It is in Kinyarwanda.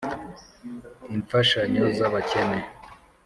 Imfashanyo z’abakene